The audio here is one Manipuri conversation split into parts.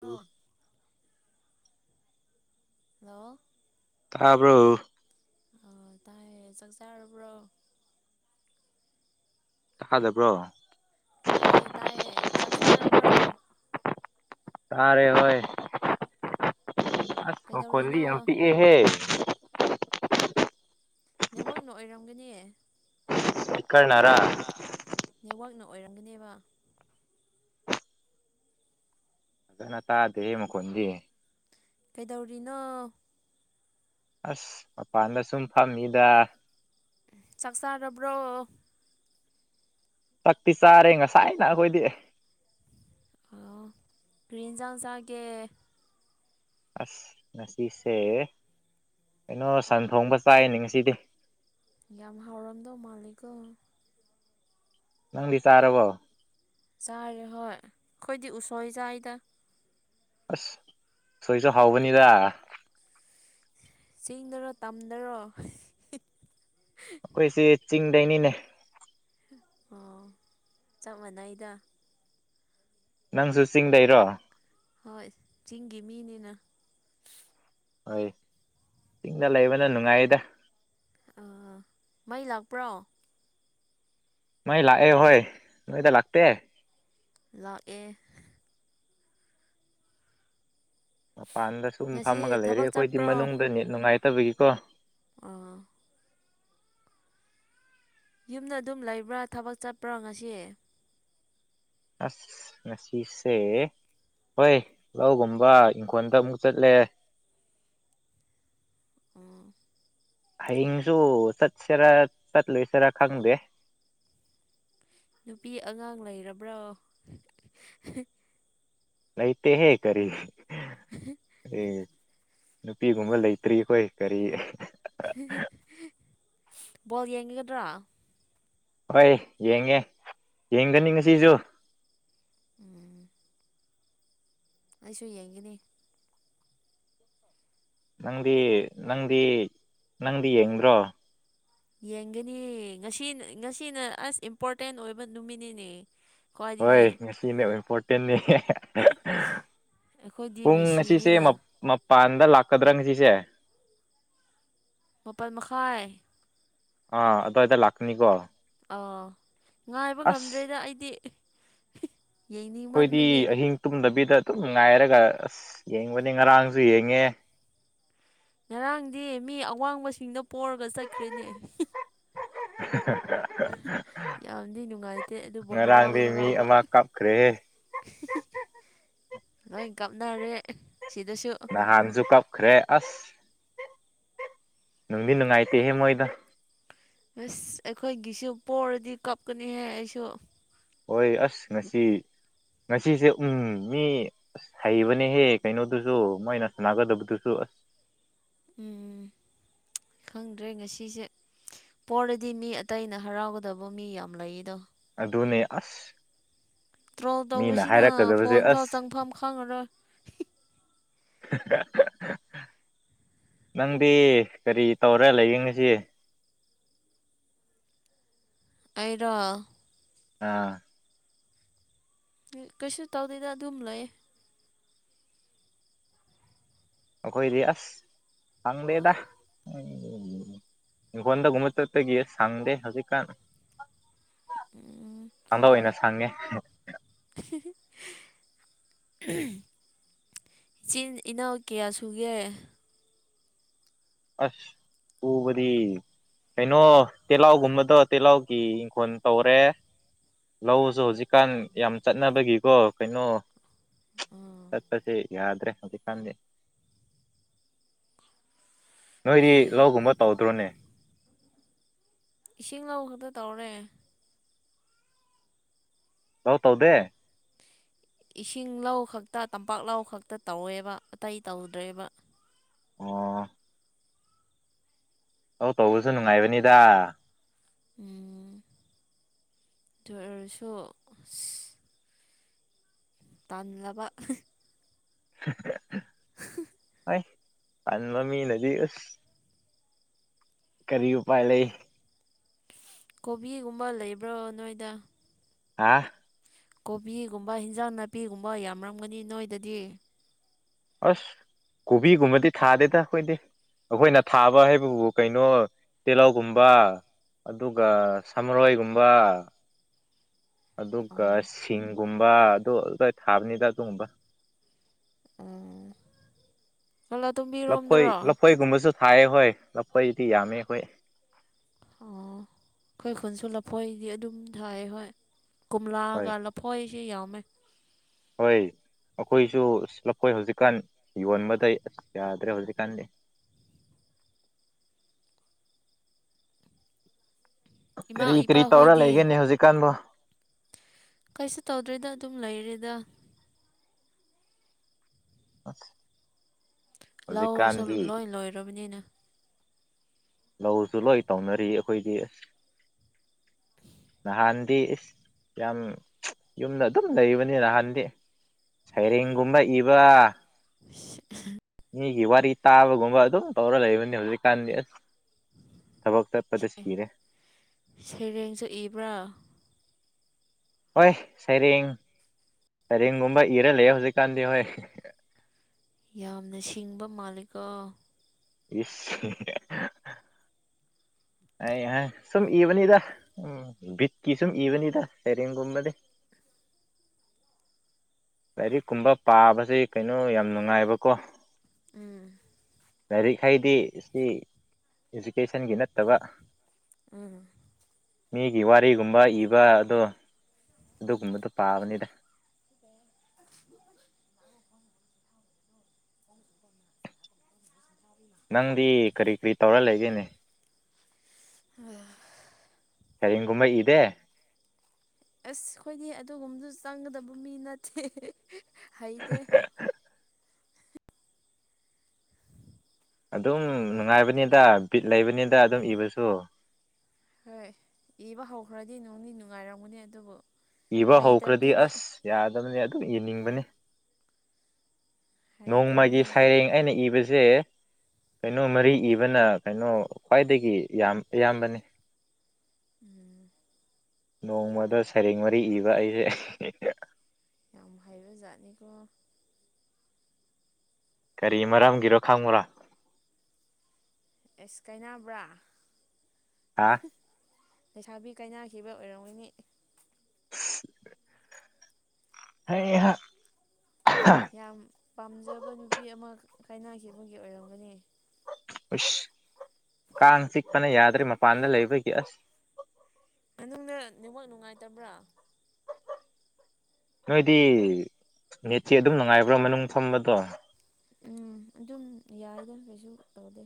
ꯑꯐ ꯎ [unintelligible] ꯍꯜꯂꯣ ꯇꯕ꯭ꯔꯣ ꯑꯣ ꯇꯥꯏꯍꯦ ꯆꯥꯛ ꯆꯔꯕ꯭ꯔꯣ ꯇꯥꯥꯗꯕ꯭ꯔꯣ ꯇꯥꯏꯌꯦ ꯇꯥꯏꯌꯦ ꯆꯥꯛ ꯆꯥꯔꯕ꯭ꯔꯣ ꯇꯥꯔꯦ ꯍꯣꯏ ꯑꯁ ꯑꯈꯣꯜꯗꯤ ꯀꯩꯗꯧꯔꯤꯅꯣ ꯌꯥꯝ ꯄꯤꯛꯑꯦꯍꯦ ꯅꯦꯠꯋꯥꯛꯅ ꯑꯣꯏꯔꯝꯒꯅꯤ ꯏꯁꯄꯤꯀꯔꯅꯔꯥ ꯍꯥ ꯅꯦꯠꯋꯥꯛꯅ ꯑꯣꯏꯔꯝꯒꯅꯤꯕ ꯐꯖꯅ ꯇꯗꯦ ꯍꯦ ꯃꯈꯣꯟꯗꯤ ꯀꯩꯗꯧꯔꯤꯅꯣ ꯑꯁ ꯃꯄꯥꯟꯗ ꯁꯨꯝ ꯐꯝꯃꯤꯗ ꯆꯥꯛ ꯆꯥꯥꯔꯕ꯭ꯔꯣ ꯆꯥꯛꯇꯤ ꯆꯥꯔꯦ ꯉꯁꯥꯏꯅ ꯑꯩꯈꯣꯏꯗꯤ ꯑꯣ ꯀꯔꯤ ꯑꯟꯖꯥꯡ ꯆꯥꯒꯦ ꯑꯁ ꯉꯁꯤꯁꯦ ꯀꯩꯅꯣ ꯁꯟ ꯊꯣꯡꯕ ꯆꯥꯏꯅꯦ ꯉꯁꯤꯗꯤ ꯌꯥꯝ ꯍꯥꯎꯔꯝꯗꯧ ꯃꯥꯜꯂꯤꯀꯣ ꯅꯪꯗꯤ ꯆꯥꯔꯕꯣ ꯆꯥꯔꯦ ꯍꯣꯏ ꯑꯩꯈꯣꯏꯗꯤ ꯎꯁꯣꯏ ꯆꯥꯏꯗ ꯑꯁ ꯎꯁꯣꯏꯁꯨ ꯍꯥꯎꯕꯅꯤꯗ ꯆꯤꯡꯗꯔꯣ ꯇꯝꯗꯔꯣ ꯑꯩꯈꯣꯏꯁꯦ ꯆꯤꯡꯗꯩꯅꯤꯅꯦ ꯑꯣ ꯆꯞ ꯃꯅꯩꯏꯗ ꯅꯪꯁꯨ ꯆꯤꯡꯗꯩ ꯔꯣ ꯍꯣꯏ ꯆꯤꯡꯒꯤ ꯃꯤꯅꯤꯅ ꯍꯣꯏ ꯆꯤꯡꯗ ꯂꯩꯕꯅ ꯅꯨꯡꯉꯥꯏꯗ ꯑꯥ ꯃꯩ ꯂꯥꯛꯄ꯭ꯔꯣ ꯃꯥꯏ ꯂꯥꯛꯑꯦ ꯍꯣꯏ ꯅꯣꯏꯗ ꯂꯥꯛꯇꯦ ꯂꯥꯛ ꯑꯦ ꯃꯄꯥꯟꯗ ꯁꯨꯝ ꯉꯁꯤ ꯐꯝꯃꯒ ꯂꯩꯔꯦ ꯊꯕꯛ ꯑꯩꯈꯣꯏꯗꯤ ꯃꯅꯨꯡꯗ ꯅꯦꯠ ꯅꯨꯡꯉꯥꯏꯇꯕꯒꯤꯀꯣ ꯑꯣ ꯌꯨꯝꯗ ꯑꯗꯨꯝ ꯂꯩꯕ꯭ꯔꯥ ꯊꯕꯛ ꯆꯠꯄ꯭ꯔꯥ ꯉꯁꯤ ꯑꯁ ꯉꯁꯤꯁꯦ ꯍꯣꯏ ꯂꯧꯒꯨꯝꯕ ꯏꯪꯈꯣꯜꯗ ꯑꯃꯨꯛ ꯆꯠꯂꯦ ꯑꯣ ꯍꯌꯦꯡꯁꯨ ꯆꯠꯁꯤꯔꯥ ꯆꯠꯂꯣꯏꯁꯤꯔꯥ ꯈꯪꯗꯦ ꯅꯨꯄꯤ ꯑꯉꯥꯡ ꯂꯩꯔꯕ꯭ꯔꯣ ꯂꯩꯇ ꯍꯦ ꯀꯔꯤ ꯅꯨꯄꯤꯒꯨꯝꯕ ꯂꯩꯇ꯭ꯔꯤ ꯑꯩꯈꯣꯏ ꯀꯔꯤ ꯕꯣꯜ ꯌꯦꯡꯉꯒꯗ꯭ꯔꯥ ꯍꯣꯏ ꯌꯦꯡꯉꯦ ꯌꯦꯡꯒꯅꯤ ꯉꯁꯤꯁꯨ ꯎꯝ ꯑꯩꯁꯨ ꯌꯦꯡꯒꯅꯤ ꯅꯪꯗꯤ ꯅꯪꯗꯤ ꯅꯪꯗꯤ ꯌꯦꯡꯗ꯭ꯔꯣ ꯌꯦꯡꯒꯅꯤ ꯉꯁꯤ ꯉꯁꯤꯅ ꯑꯁ ꯏꯝꯄꯣꯔꯇꯦꯟ ꯑꯣꯏꯕ ꯅꯨꯃꯤꯠꯅꯤꯅꯦ ꯍꯣꯏ ꯈ꯭ꯋꯥꯏꯗꯒꯤ ꯉꯁꯤꯅꯦ ꯏꯝꯄꯣꯔꯇꯦꯟꯅꯤ ꯑꯩꯈꯣꯏꯗꯤ ꯄꯨꯡ ꯑꯁꯤꯁꯦ ꯃꯦꯁꯤꯅꯤꯅ ꯃꯄ ꯄꯥꯟꯗ ꯂꯥꯛꯀꯗ꯭ꯔꯥ ꯉꯁꯤꯁꯦ ꯃꯄꯥꯜ ꯃꯈꯥꯏ ꯑꯥ ꯑꯗꯨꯋꯥꯏꯗ ꯂꯥꯛꯀꯅꯤꯀꯣ ꯑꯣ ꯉꯥꯏꯕ ꯑꯁ ꯉꯝꯗ꯭ꯔꯦꯗ ꯑꯩꯗꯤ ꯑꯩꯈꯣꯏꯗꯤ ꯌꯦꯡꯅꯤꯡꯃꯟꯕꯒꯤ ꯑꯍꯤꯡ ꯇꯨꯝꯗꯕꯤꯗ ꯁꯤꯗ ꯑꯗꯨꯝ ꯉꯥꯏꯔꯒ ꯑꯁ ꯌꯦꯡꯕꯅꯦ ꯉꯔꯥꯡꯁꯨ ꯌꯦꯡꯉꯦ ꯉꯔꯥꯡꯗꯤ ꯃꯤ ꯑꯋꯥꯡꯕꯁꯤꯡꯗꯣ ꯄꯣꯔꯒ ꯆꯠꯈ꯭ꯔꯦꯅꯦ [unintelligible] [unintelligible] ꯌꯥꯝꯗꯤ ꯅꯨꯡꯉꯥꯏꯇꯦ ꯑꯗꯨꯕꯨ ꯉꯔꯥꯡꯗꯤ ꯍꯔꯥꯎꯗꯤ ꯃꯤ ꯍꯔꯥꯎꯕ ꯑꯃ ꯀꯞꯈ꯭ꯔꯦꯍꯦ ꯂꯣꯏ ꯀꯞꯅꯔꯦ ꯅꯍꯥꯟꯖꯨ ꯀꯞꯈ꯭ꯔꯦ ꯑꯁ ꯅꯨꯡꯗꯤ ꯅꯨꯡꯉꯥꯏꯇꯦꯍꯦ ꯃꯣꯏꯗꯣ ꯑꯥꯁ ꯑꯩꯈꯣꯏꯒꯤꯁꯨ ꯄꯣꯔꯗꯤ ꯀꯞꯀꯅꯤꯍꯦ ꯑꯩꯁꯨ ꯍꯣꯏ ꯑꯥꯁ ꯉꯁꯤ ꯉꯁꯤꯁꯦ ꯎꯪꯎꯪ ꯃꯤ ꯑꯥꯁ ꯍꯩꯕꯅꯦꯍꯦ ꯀꯩꯅꯣꯗꯨꯖꯨ ꯃꯣꯏꯅ ꯁꯥꯟꯅꯒꯗꯕꯗꯨꯁꯨ ꯑꯥꯁ ꯎꯪꯎꯪ ꯈꯪꯗ꯭ꯔꯦ ꯉꯁꯤꯖꯦ ꯄꯣꯔꯗꯤ ꯃꯤ ꯑꯇꯩꯅ ꯍꯔꯥꯎꯒꯗꯕ ꯃꯤ ꯌꯥꯝ ꯂꯩꯗꯣ ꯑꯗꯨꯅꯦ ꯑꯥꯁ ꯇ꯭ꯔꯣꯜ ꯇꯧꯕꯁꯤꯅꯥ ꯐꯣꯟ ꯐꯥꯎ ꯑꯁ ꯆꯪꯐꯝ ꯈꯪꯉꯔꯣꯏ UNINTELLIGIBLE ꯅꯪꯗꯤ ꯀꯔꯤ ꯇꯧꯔ ꯂꯩꯌꯦꯉꯁꯤ ꯑꯩꯔꯣ ꯑꯪꯑꯥ ꯀꯩꯁꯨ ꯇꯧꯗꯦꯗ ꯑꯗꯨꯝ ꯂꯩꯌꯦ ꯑꯩꯈꯣꯏꯗꯤ ꯑꯥꯁ ꯁꯪꯗꯦꯗꯥ ꯏꯪꯈꯣꯟꯗ ꯒꯨꯝꯕ ꯆꯠꯄꯒꯤꯑꯦ ꯁꯪꯗꯦ ꯍꯧꯖꯤꯛꯀꯥꯟ ꯎꯝ ꯥꯗꯥ ꯑꯣꯏꯅ ꯁꯪꯉꯦ UNINTELLIGIBLE ꯏꯆꯤꯟ-ꯏꯅꯥꯎ ꯀꯌꯥ ꯁꯨꯒꯦ ꯑꯥꯁ ꯎ ꯎꯕꯗꯤ ꯀꯩꯅꯣ ꯇꯤꯜꯍꯧꯎꯒꯨꯝꯕꯗꯣ ꯇꯤꯜꯍꯧꯒꯤ ꯏꯪꯈꯣꯜ ꯇꯧꯔꯦ ꯂꯧꯖꯨ ꯍꯧꯖꯤꯛꯀꯥꯟ ꯌꯥꯝ ꯆꯠꯅꯕꯒꯤꯀꯣ ꯀꯩꯅꯣ ꯎꯝ ꯆꯠꯄꯖꯤ ꯌꯥꯗ꯭ꯔꯦ ꯍꯧꯖꯤꯛꯀꯥꯟꯗꯤ ꯅꯣꯏꯗꯤ ꯂꯧꯒꯨꯝꯕꯇꯧꯗ꯭ꯔꯣꯅꯦ ꯏꯁꯤꯡ ꯂꯧꯗꯨꯗ ꯇꯧꯔꯂꯩꯌꯦ ꯂꯧ ꯇꯧꯗꯦ ꯏꯁꯤꯡ ꯂꯧꯈꯛꯇ ꯇꯝꯄꯥꯛ ꯂꯧ ꯈꯛꯇ ꯇꯧꯋꯦꯕ ꯑꯇꯩ ꯇꯧꯗ꯭ꯔꯦꯕ ꯑꯣꯑꯥ ꯑꯧ ꯇꯧꯕꯖꯨ ꯅꯨꯡꯉꯥꯏꯕꯅꯤꯗꯥꯑꯥ ꯗꯨꯑꯣꯢꯔꯁꯨ ꯇꯥꯟꯂꯕ INAUDIBLE INAUDIBLE ꯍꯟꯕꯃꯤꯅꯗꯤ ꯎꯁ ꯀꯔꯤ ꯎꯄꯥꯏ ꯂꯩ ꯀꯣꯕꯤꯒꯨꯝꯕ ꯂꯩꯕ꯭ꯔꯣ ꯅꯣꯏꯗ ꯍꯥꯑꯥ ꯀꯣꯕꯤꯒꯨꯝꯕ ꯍꯤꯟꯖꯥꯡ-ꯅꯥꯄꯤꯒꯨꯝꯕ ꯌꯥꯝꯔꯝꯒꯅꯤ ꯅꯣꯏꯗꯗꯤ ꯑꯥꯁ ꯀꯣꯕꯤꯒꯨꯝꯕꯗꯤ ꯊꯥꯗꯦꯗꯑꯩꯈꯣꯏꯗꯤ ꯑꯩꯈꯣꯏꯅ ꯊꯥꯕ ꯍꯥꯏꯕꯕꯨ ꯀꯩꯅꯣ ꯇꯤꯜꯍꯧꯒꯨꯝꯕꯥ ꯑꯗꯨꯒ ꯥ ꯁꯥꯃꯔꯣꯏꯒꯨꯝꯕ INAUDIBLE ꯑꯥꯗꯨꯒ ꯁꯤꯡꯒꯨꯝꯕ ꯑꯗꯨ ꯑꯗꯨꯈꯛꯇ ꯊꯥꯕꯅꯤꯗ ꯑꯗꯨꯒꯨꯝꯕ ꯎꯝ ꯂꯐꯣꯏ ꯂꯥꯇꯣꯝꯕꯤꯔꯣꯝꯗꯔꯣ ꯂꯐꯣꯏꯒꯨꯝꯕꯁꯨ ꯊꯥꯏꯌꯦ ꯍꯣꯢ ꯂꯐꯣꯏꯗꯤ ꯌꯥꯝꯃꯦ ꯑꯩꯈꯣꯏ ꯑꯣꯑꯣ ꯑꯩꯈꯣꯏ ꯈꯨꯟꯁꯨ ꯂꯐꯣꯏꯗꯤ ꯑꯗꯨꯝ ꯊꯥꯏꯌꯦ ꯍꯣꯏ ꯍꯣꯏ ꯀꯣꯝꯂꯥꯒ ꯂꯐꯣꯏꯖꯦ ꯌꯥꯎꯃꯦ ꯍꯣꯏ ꯑꯩꯈꯣꯏꯁꯨ ꯂꯐꯣꯏ ꯍꯧꯖꯤꯛꯀꯥꯟ ꯌꯣꯟꯕꯗ ꯑꯁ ꯌꯥꯗ꯭ꯔꯦ ꯍꯧꯖꯤꯛꯀꯥꯟꯗꯤ [inaudible] ꯏꯃꯥ ꯀꯔꯤ ꯀꯔꯤ ꯇꯧꯔ ꯏꯄꯥꯍꯣꯏꯗꯤ ꯂꯩꯒꯅꯦ ꯍꯧꯖꯤꯛꯀꯥꯟꯕꯨ ꯀꯩꯁꯨ ꯇꯧꯗ꯭ꯔꯔꯤꯗ ꯑꯗꯨꯝ ꯂꯩꯔꯦꯗ ꯑꯁ ꯂꯧꯁꯨ ꯍꯧꯖꯤꯛꯀꯥꯟꯗꯤ ꯂꯣꯏ ꯂꯣꯏꯔꯕꯅꯤꯅ ꯂꯧꯁꯨ ꯂꯣꯏ ꯇꯧꯅꯔꯤ ꯑꯩꯈꯣꯏꯗꯤ ꯑꯁ ꯅꯍꯥꯟꯗꯤ ꯏꯁ ꯌꯥꯝ ꯌꯨꯝꯗ ꯑꯗꯨꯝ ꯂꯩꯕꯅꯤ ꯅꯍꯥꯟꯗꯤ ꯁꯩꯔꯦꯡꯒꯨꯝꯕ ꯏꯕ [unintelligible] ꯃꯤꯒꯤ ꯋꯥꯔꯤ ꯇꯥꯕꯒꯨꯝꯕ ꯑꯗꯨꯝ ꯇꯧꯔ ꯂꯩꯕꯅꯤ ꯍꯧꯖꯤꯛꯀꯥꯟꯗꯤ ꯑꯁ ꯊꯕꯛ ꯆꯠꯄꯗ ꯁꯤꯔꯦ ꯁꯩꯔꯦꯡꯁꯨ ꯏꯕ꯭ꯔꯥ ꯍꯣꯏ ꯁꯩꯔꯦꯡ ꯁꯩꯔꯦꯡꯒꯨꯝꯕ ꯏꯔ ꯂꯩ ꯌꯦ ꯍꯧꯖꯤꯛꯀꯥꯟꯗꯤ ꯍꯣꯏ ꯌꯥꯝꯅ ꯁꯤꯡꯕ ꯃꯥꯂꯤꯀꯣ ꯏꯁ ꯍꯤꯍꯤꯍꯤ [inaudible] ꯑꯩ ꯑꯥ ꯁꯨꯝ ꯏꯕꯅꯤꯗ ꯎꯝ ꯕꯤꯠꯀꯤ ꯁꯨꯝ ꯏꯕꯅꯤꯗ ꯁꯩꯔꯦꯡꯒꯨꯝꯕꯗꯤ [inaudible] ꯂꯥꯏꯔꯤꯛ ꯀꯨꯝꯕ ꯄꯥꯕꯁꯦ ꯀꯩꯅꯣ ꯌꯥꯝ ꯅꯨꯡꯉꯥꯏꯕꯀꯣ ꯎꯝ ꯂꯥꯏꯔꯤꯛ ꯍꯩꯗꯤ ꯁꯤ ꯏꯖꯨꯀꯦꯁꯟꯒꯤ ꯅꯠꯇꯕ ꯎꯝ ꯃꯤꯒꯤ ꯋꯥꯔꯤꯒꯨꯝꯕ ꯏꯕ ꯑꯗꯣ ꯑꯗꯨꯒꯨꯝꯕꯗꯨ ꯄꯥꯕꯅꯤꯗ [inaudible] ꯅꯪꯗꯤ ꯀꯔꯤ ꯀꯔꯤ ꯇꯧꯔ ꯂꯩꯒꯦꯅꯦ [unintelligible] ꯁꯩꯔꯦꯡꯒꯨꯝꯕ ꯏꯗꯦ ꯑꯁ ꯑꯩꯈꯣꯏꯗꯤ ꯑꯗꯨꯒꯨꯝꯕꯗꯨ ꯆꯪꯒꯗꯕ ꯃꯤ ꯅꯠꯇꯦ ꯍꯩꯇꯦ ꯑꯗꯨꯝ ꯅꯨꯡꯉꯥꯏꯕꯅꯤꯗ ꯕꯤꯠ ꯂꯩꯕꯅꯤꯗ ꯑꯗꯨꯝ ꯏꯕꯁꯨ ꯍꯣꯏ ꯏꯕ ꯍꯧꯈ꯭ꯔꯗꯤ ꯅꯨꯡꯗꯤ ꯅꯨꯡꯉꯥꯏꯔꯝꯒꯅꯤ ꯑꯗꯨꯕꯨ ꯏꯕ ꯍꯧꯈ꯭ꯔꯗꯤ ꯍꯩꯇꯕꯅꯤꯅ ꯑꯁ ꯌꯥꯗꯝꯅꯦ ꯑꯗꯨꯝ ꯏꯅꯤꯡꯕꯅꯦ ꯅꯣꯡꯃꯒꯤ ꯍꯩꯇꯕꯅꯤꯅ ꯁꯩꯔꯦꯡ ꯑꯩꯅ ꯏꯕꯁꯦ ꯀꯩꯅꯣ ꯃꯔꯤ ꯏꯕꯅ ꯀꯩꯅꯣ ꯈ꯭ꯋꯥꯏꯗꯒꯤ ꯌꯥꯝ ꯑꯌꯥꯝꯕꯅꯦ ꯎꯝ ꯅꯣꯡꯃꯗ ꯁꯩꯔꯦꯡ ꯃꯔꯤ ꯏꯕ ꯑꯩꯁꯦ ꯌꯥꯝ ꯍꯩꯕ ꯖꯥꯠꯅꯤꯀꯣ ꯀꯔꯤ ꯃꯔꯝꯒꯤꯔꯣ ꯈꯪꯕꯔꯥ ꯑꯦꯁ ꯀꯩꯅꯕ꯭ꯔꯥ ꯍꯥꯥ ꯂꯩꯁꯥꯕꯤ ꯀꯥꯏꯅꯥꯈꯤꯕ ꯑꯣꯏꯔꯝꯒꯅꯤ ꯍꯩꯍꯥ ꯌꯥꯝ ꯄꯥꯝꯖꯕ ꯅꯨꯄꯤ ꯑꯃ ꯀꯥꯏꯅꯈꯤꯕꯒꯤ ꯑꯣꯏꯔꯝꯒꯅꯤ ꯎꯁ ꯀꯥꯡ ꯆꯤꯛꯄꯅ ꯌꯥꯗ꯭ꯔꯦ ꯃꯄꯥꯟꯗ ꯂꯩꯕꯒꯤ ꯑꯁ ꯃꯅꯨꯡꯗ ꯅꯦꯠꯋꯥꯛ ꯅꯨꯡꯉꯥꯏꯇꯕ꯭ꯔꯥ ꯅꯣꯏꯗꯤ ꯃꯦꯠꯁꯦ ꯑꯗꯨꯝ ꯅꯨꯡꯉꯥꯏꯕ꯭ꯔꯥ ꯃꯅꯨꯡ ꯐꯝꯕꯗꯣ ꯎꯝ ꯑꯗꯨꯝ ꯌꯥꯏꯗ ꯀꯩꯁꯨ ꯇꯧꯗꯦ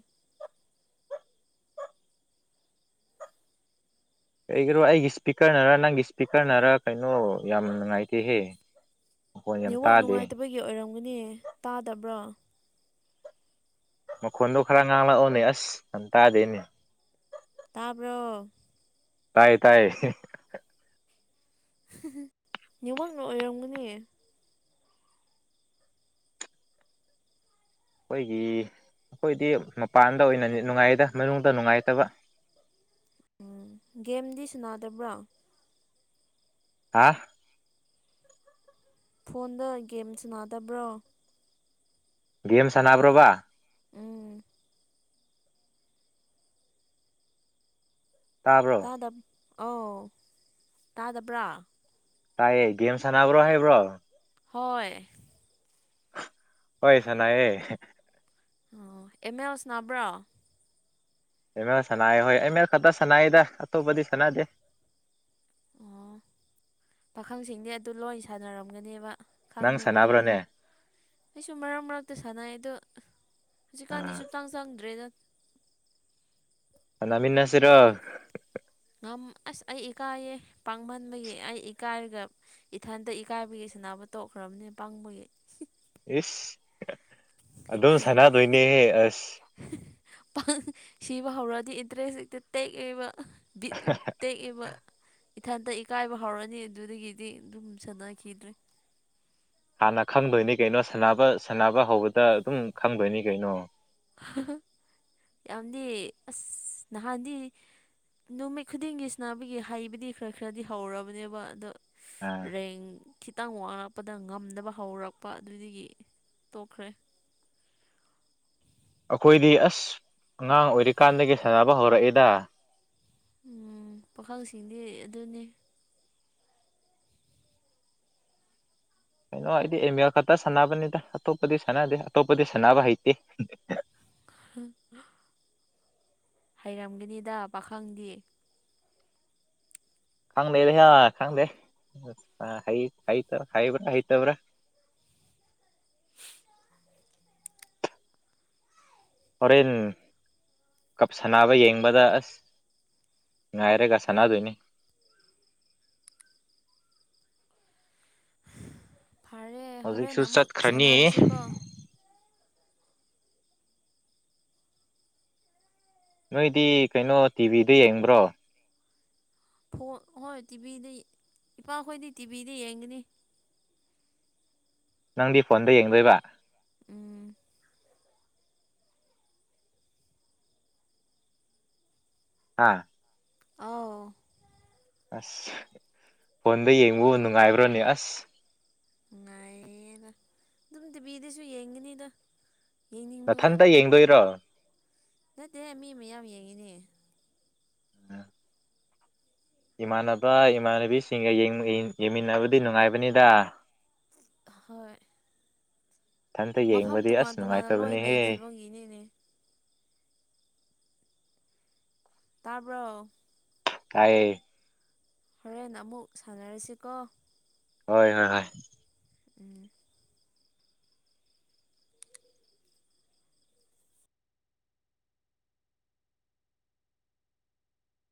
ꯀꯩꯒꯤꯔꯣ ꯑꯩꯒꯤ ꯁ꯭ꯄꯤꯀꯔꯅꯔ ꯅꯪꯒꯤ ꯁ꯭ꯄꯤꯀꯔꯅꯔ ꯀꯩꯅꯣ ꯌꯥꯝ ꯅꯨꯡꯉꯥꯏꯇꯦꯍꯦ ꯃꯈꯣꯟ ꯌꯥꯝ ꯅꯦꯋꯥꯛ ꯇꯥꯗꯦ ꯅꯨꯡꯉꯥꯏꯇꯕꯒꯤ ꯑꯣꯏꯔꯝꯒꯅꯤ ꯇꯥꯗꯕ꯭ꯔꯣ ꯃꯈꯣꯟꯗꯣ ꯈꯔ ꯉꯥꯡꯂꯛꯑꯣꯅꯦ ꯑꯁ ꯌꯥꯝ ꯇꯥꯥꯗꯦꯅꯦ ꯇꯥꯕ꯭ꯔꯣ ꯇꯥꯏꯌꯦ ꯇꯥꯏꯌꯦ ꯅꯦꯠꯋꯥꯛꯅ ꯑꯣꯏꯔꯝꯒꯅꯤ ꯑꯈꯣꯏꯒꯤ ꯑꯈꯣꯏꯗꯤ ꯃꯄꯥꯟꯗ ꯑꯣꯏꯅ ꯅꯦꯠ ꯅꯨꯡꯉꯥꯏꯌꯦꯗ ꯃꯅꯨꯡꯗ ꯅꯨꯡꯉꯥꯏꯇꯕ [inaudible] ꯎꯝ ꯒꯦꯝꯗꯤ ꯁꯅꯥꯗꯕ꯭ꯔꯥ ꯍꯥ ꯐꯣꯟꯗ ꯒꯦꯝ ꯁꯅꯥꯗꯕ꯭ꯔꯣ ꯒꯦꯝ ꯁꯥꯟꯅꯕ꯭ꯔꯣꯕꯥ ꯎꯝ ꯇꯥꯕ꯭ꯔꯣ ꯇꯥꯗꯞ ꯑꯥꯎ ꯇꯥꯗꯕ꯭ꯔꯥ ꯇꯥꯏꯌꯦ ꯒꯦꯝ ꯁꯥꯟꯅꯕ꯭ꯔꯣ ꯍꯥꯏꯕ꯭ꯔꯣ ꯍꯣꯏ ꯍꯣꯏ ꯁꯥꯅꯥꯌꯦ ꯑꯣ ꯑꯦꯃꯦꯜ ꯁ꯭ꯅꯥꯕ꯭ꯔꯥ ꯑꯦꯃꯦꯜ ꯁꯅꯥꯌꯦ ꯍꯣꯏ ꯑꯦꯃꯦꯜ ꯈꯇ ꯁꯥꯅꯥꯌꯦꯗ ꯑꯇꯣꯞꯄꯗꯤ ꯁꯥꯟꯅꯗꯦ ꯑꯣ ꯄꯥꯈꯪꯁꯤꯡꯗꯤ ꯑꯗꯨ ꯂꯣꯏ ꯁꯥꯟꯅꯔꯝꯒꯅꯤꯕ ꯅꯪ ꯁꯥꯟꯅꯕ꯭ꯔꯥꯅꯦ ꯑꯩꯁꯨ ꯃꯔꯛ ꯃꯔꯛꯇ ꯁꯥꯟꯅꯩ ꯑꯗꯣ ꯍꯨꯖꯤꯛꯀꯥꯟꯗꯤ ꯑꯥ ꯁꯨꯞꯆꯪ ꯆꯪꯗ꯭ꯔꯦꯗ ꯁꯥꯟꯅꯃꯤꯟꯅꯁꯤꯔꯣ ꯉꯝ ꯑꯁ ꯑꯩ ꯏꯀꯥꯏꯌꯦ ꯄꯥꯡꯃꯟꯕꯒꯤ ꯑꯩ ꯏꯀꯥꯏꯔꯒ ꯏꯊꯟꯇ ꯏꯀꯥꯏꯕꯒꯤ ꯁꯅꯥ ꯕ ꯇꯣꯛꯈ꯭ꯔꯝꯅꯦ ꯄꯪꯕꯒꯤ ꯏꯁ ꯑꯗꯨꯝ ꯁꯥꯟꯅꯗꯣꯏꯅꯦꯍꯦ ꯑꯁ ꯄꯥꯡ ꯁꯤꯕ ꯍꯧꯔꯛꯑꯗꯤ ꯏꯟꯇ꯭ꯔꯦꯁ ꯍꯦꯛꯇ ꯇꯦꯛꯑꯦꯕ ꯕꯤꯠ ꯇꯦꯛꯑꯦꯕ ꯏꯊꯟꯇ ꯏꯀꯥꯏꯕ ꯍꯧꯔꯅꯤ ꯑꯗꯨꯗꯒꯤꯗꯤ ꯑꯗꯨꯝ ꯁꯥꯟꯅꯈꯤꯗ꯭ꯔꯦ ꯍꯥꯟꯅ ꯈꯪꯗꯣꯏꯅꯤ ꯀꯩꯅꯣ ꯁꯅꯥꯕ ꯁꯥꯟꯅꯕ ꯍꯧꯕꯗ ꯑꯗꯨꯝ ꯈꯪꯗꯣꯏꯅꯤ ꯀꯩꯅꯣ [unintelligible] ꯌꯥꯝꯗꯤ ꯑꯁ ꯅꯍꯥꯟꯗꯤ ꯅꯨꯃꯤꯠ ꯈꯨꯗꯤꯡꯒꯤ ꯁ꯭ꯅꯥꯕꯒꯤ ꯍꯩꯕꯗꯤ ꯈꯔ ꯈꯔꯗꯤ ꯍꯧꯔꯕꯅꯦꯕ ꯑꯗꯣ ꯑꯥ ꯔꯦꯡ ꯈꯤꯇꯪ ꯋꯥꯡꯔꯛꯄꯗ ꯉꯝꯗꯕ ꯍꯧꯔꯛꯄ ꯑꯗꯨꯗꯒꯤ ꯇꯣꯛꯈ꯭ꯔꯦ [inaudible] ꯑꯈꯣꯏꯗꯤ ꯑꯁ ꯑꯉꯥꯡ ꯑꯣꯏꯔꯤꯀꯥꯟꯗꯒꯤ ꯁꯥꯟꯅꯕ ꯍꯧꯔꯛꯑꯦꯗ ꯎꯝ ꯄꯥꯈꯪꯁꯤꯡꯗꯤ ꯑꯗꯨꯅꯤ ꯀꯩꯅꯣ ꯑꯩꯗꯤ ꯑꯦꯝ ꯑꯦꯜ ꯈꯇ ꯁꯥꯟꯅꯕꯅꯤꯗ ꯑꯇꯣꯞꯄꯗꯤ ꯁꯥꯟꯅꯗꯦ ꯑꯇꯣꯞꯄꯗꯤ ꯁꯥꯟꯅꯕ ꯍꯩꯇꯦ ꯍ ꯍꯩꯔꯝꯒꯅꯤꯗ ꯄꯥꯈꯪꯗꯤ ꯈꯪꯗꯦ ꯂꯩꯍꯥ ꯈꯪꯗꯦ ꯍ ꯍꯩ ꯍꯩꯇ ꯍꯩꯕ꯭ꯔꯥ ꯍꯩꯇꯕ꯭ꯔꯥ [inaudible] ꯍꯣꯔꯦꯟ ꯀꯞ ꯁꯅꯕ ꯌꯦꯡꯕꯗ ꯑꯁ ꯉꯥꯏꯔꯦꯒ ꯁꯥꯟꯅꯗꯣꯏꯅꯤ [unintelligible] ꯐꯔꯦ ꯍꯣꯔꯦꯟ ꯍꯧꯖꯤꯛꯁꯨ ꯑꯃꯨꯛ ꯆꯠꯈ꯭ꯔꯅꯤ ꯁꯥꯟꯅꯔꯁꯤꯀꯣ ꯅꯣꯏꯗꯤ ꯀꯩꯅꯣ ꯇꯤꯚꯤꯗ ꯌꯦꯡꯕ꯭ꯔꯣ ꯐꯣꯟ ꯍꯣꯏ ꯇꯤꯚꯤꯗ ꯏꯄꯥꯈꯣꯏꯗꯤ ꯇꯤꯚꯤꯗ ꯌꯦꯡꯒꯅꯤ ꯅꯪꯗꯤ ꯐꯣꯟꯗ ꯌꯦꯡꯗꯣꯏꯕ ꯎꯝ ꯍꯥꯥ ꯑꯥꯎ ꯑꯁ ꯐꯣꯟꯗ ꯌꯦꯡꯕꯨ ꯅꯨꯡꯉꯥꯏꯕ꯭ꯔꯣꯅꯦ ꯑꯁ ꯅꯨꯡꯉꯥꯏꯌꯦꯗ ꯗꯨꯝ ꯇꯤꯕꯤꯗꯁꯨ ꯌꯦꯡꯒꯅꯤꯗ ꯅꯊꯟꯇ ꯌꯦꯡꯗꯣꯏꯔꯣ ꯅꯠꯇꯦꯍꯦ ꯃꯤ ꯃꯌꯥꯝ ꯌꯦꯡꯉꯤꯅꯦ ꯏꯃꯥꯟꯅꯕ ꯏꯃꯥꯟꯅꯕꯤꯁꯤꯡꯒ ꯌꯦꯡꯕ ꯌꯦꯡꯃꯤꯟꯅꯕꯗꯤ ꯅꯨꯡꯉꯥꯏꯕꯅꯤꯗ ꯍꯣꯏ ꯏꯊꯟꯇ ꯃꯐꯝ ꯌꯦꯡꯕꯗꯤ ꯇꯣꯉꯥꯟ ꯑꯁ ꯇꯣꯉꯥꯟꯅ ꯂꯣꯏ ꯅꯨꯡꯉꯥꯏꯇꯕꯅꯦꯍꯦ ꯂꯩꯈꯤꯕꯒꯤꯅꯤꯅꯦ ꯇꯥꯕ꯭ꯔꯣ ꯇꯥꯏꯌꯦ ꯍꯣꯔꯦꯟ ꯑꯃꯨꯛ ꯁꯥꯟꯅꯔꯁꯤꯀꯣ ꯍꯣꯏ ꯍꯣꯏ ꯍꯣꯏ ꯎꯝ